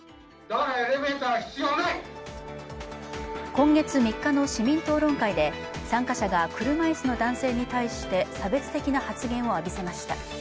今月３日の市民討論会で参加者が車椅子の男性に対して差別的な発言を浴びせました。